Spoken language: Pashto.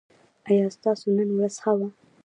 ایا ستاسو نن ورځ ښه وه؟